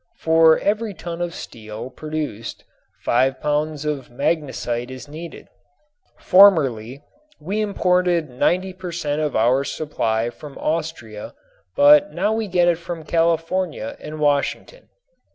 For every ton of steel produced five pounds of magnesite is needed. Formerly we imported 90 per cent. of our supply from Austria, but now we get it from California and Washington.